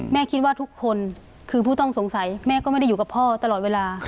คิดว่าทุกคนคือผู้ต้องสงสัยแม่ก็ไม่ได้อยู่กับพ่อตลอดเวลา